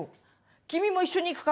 君も一緒にいくか？